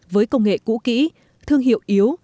với công nghệ cũ kỹ thương hiệu yếu